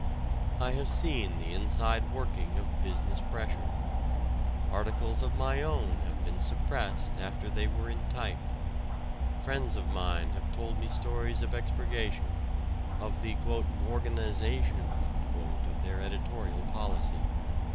I have seen the inside working of business pressure; articles of my own have been suppressed after they were in type; friends of mine have told me stories of expurgation, of the "morganization" of their editorial policy.